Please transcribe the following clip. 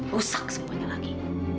rusak semuanya lagi